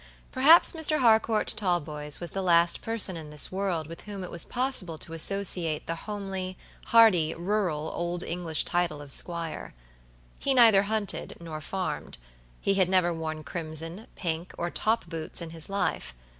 Perhaps Mr. Harcourt Talboys was the last person in this world with whom it was possible to associate the homely, hearty, rural old English title of squire. He neither hunted nor farmed. He had never worn crimson, pink, or top boots in his life.